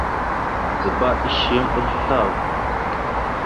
Gǝba ishe yam ɓəzlav.